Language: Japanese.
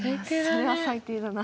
それは最低だな。